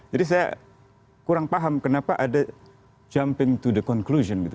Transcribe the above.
jadi saya kurang paham kenapa ada jumping to the conclusion gitu